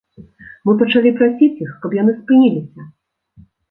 Мы пачалі прасіць іх, каб яны спыніліся.